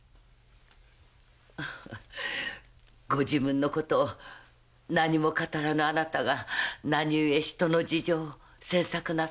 ご自分のことを何も語らぬあなたが何故人の事情を詮索なされます？